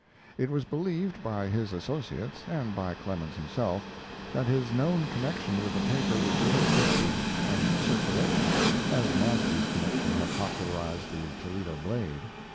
It was believed by his associates, and by Clemens himself, that his known connection with the paper would give it prestige and circulation, as Nasby's connection had popularized the Toledo Blade.